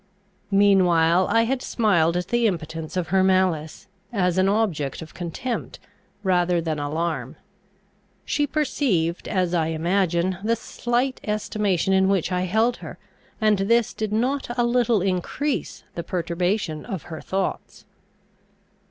Meanwhile I had smiled at the impotence of her malice, as an object of contempt rather than alarm. She perceived, as I imagine, the slight estimation in which I held her, and this did not a little increase the perturbation of her thoughts.